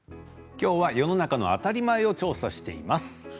きょうは世の中の当たり前を調査しています。